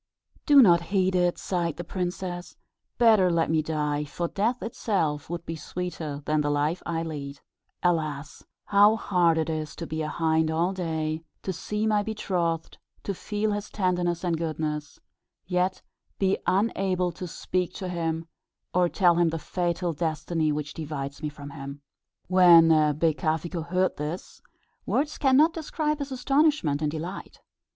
"Do not heed it," sighed the princess; "better let me die, for death itself would be sweeter than the life I lead. Alas! how hard it is to be a hind all day; to see my betrothed, to feel his tenderness and goodness, yet be unable to speak to him, or to tell him the fatal destiny which divides me from him." When Becafico heard this, words cannot describe his astonishment and delight.